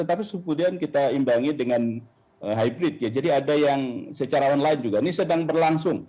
tapi kemudian kita imbangi dengan hybrid ya jadi ada yang secara online juga ini sedang berlangsung